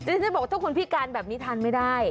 ฉันจะบอกว่าถ้าคุณพิการแบบนี้ทานไม่ได้